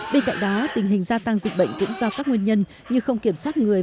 bên cạnh đó tình hình gia tăng dịch bệnh cũng do các nguyên nhân như không kiểm soát người